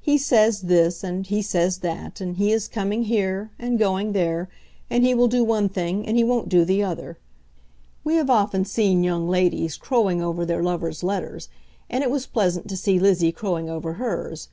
He says this, and he says that, and he is coming here, and going there, and he will do one thing, and he won't do the other. We have often seen young ladies crowing over their lovers' letters, and it was pleasant to see Lizzie crowing over hers.